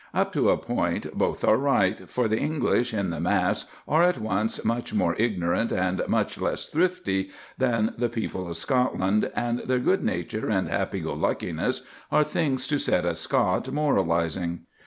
Up to a point both are right, for the English in the mass are at once much more ignorant and much less thrifty than the people of Scotland, and their good nature and happy go luckiness are things to set a Scot moralising.